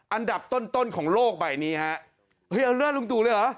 อันดับต้นต้นของโลกใบนี้ฮะเฮ้ยเอาเลือดลุงตู่เลยเหรอ